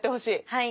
はい。